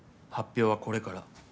発表はこれから。